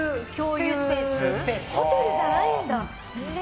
ホテルじゃないんだ。